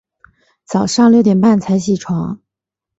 早上六点半才起床